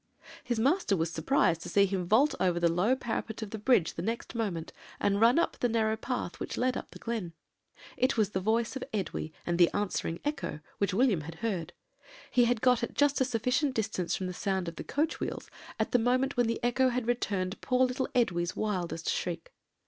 "His master was surprised to see him vault over the low parapet of the bridge the next moment, and run up the narrow path which led up the glen. "It was the voice of Edwy, and the answering echo, which William had heard. He had got at just a sufficient distance from the sound of the coach wheels at the moment when the echo had returned poor little Edwy's wildest shriek.